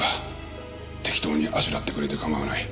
適当にあしらってくれて構わない。